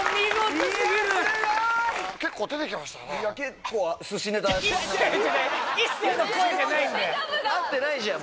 いや結構寿司ネタ合ってないじゃん